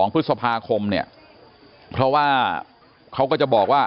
๒พฤษภาคมเนี่ยเพราะว่าเขาก็จะบอกว่า